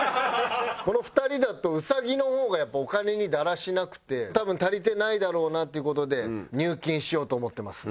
この２人だと兎の方がやっぱお金にだらしなくて多分足りてないだろうなっていう事で入金しようと思ってます。